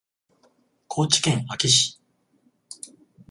高知県安芸市